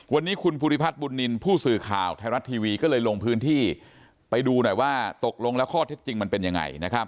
วันนี้คุณผู้สื่อข่าวไทยรัฐทีวีก็เลยลงพื้นที่ไปดูหน่อยว่าตกลงแล้วข้อเท็จจริงมันเป็นยังไง